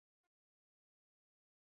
Alorra kokapen sozialaren espazioa da.